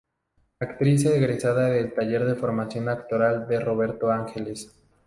Actriz egresada del Taller de Formación Actoral de Roberto Ángeles.